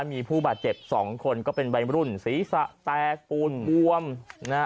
มีผู้บาดเจ็บสองคนก็เป็นวัยรุ่นศีรษะแตกปูนบวมนะฮะ